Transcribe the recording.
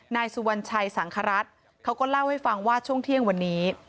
นายสุวรรณชัยสังครัฐเขาก็เล่าให้ฟังว่าช่วงเที่ยงวันนี้